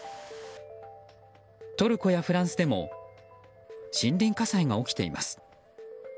トルコやフランスでも森林火災が起きています。